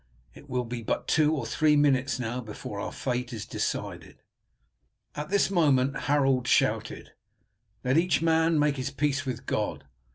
It will be but two or three minutes now before our fate is decided." At this moment Harold shouted: "Let each man make his peace with God."